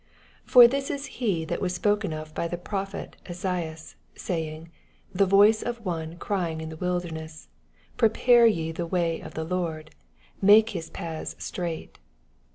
8 For this is he that was spoken of by the prophet Esaias, sajrmg, The voice of one crying in the wilderness, I^pare ye the way of the Lord, make bis paths straight.